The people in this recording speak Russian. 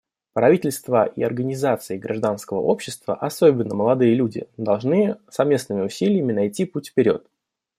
Правительства и организации гражданского общества, особенно молодые люди, должны совместными усилиями найти путь вперед.